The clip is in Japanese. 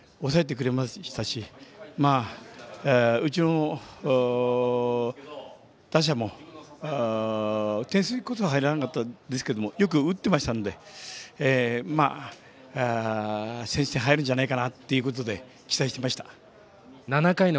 よく新岡投手が抑えてくれましたしうちの打者も、点数こそは入らなかったんですけどもよく打ってましたので先取点が入るんじゃないかということで期待していました。